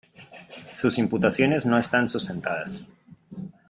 Sus imputaciones no están sustentadas.